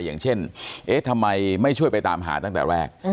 อย่างเช่นเอ๊ะทำไมไม่ช่วยไปตามหาตั้งแต่แรก